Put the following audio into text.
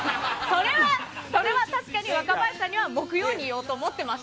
それは確かに若林さんには木曜に言おうと思ってました。